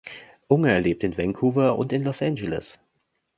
Unger lebt in Vancouver und in Los Angeles.